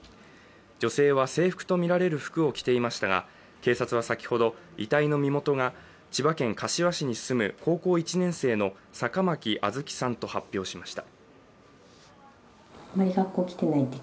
女性は制服とみられる服を着ていましたが警察は先ほど、遺体の身元が千葉県柏市に住む高校１年生の坂巻杏月さんと発表しました。